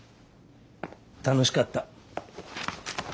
楽しかった。